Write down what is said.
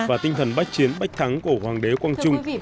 và tinh thần bách chiến bách thắng của hoàng đế quang trung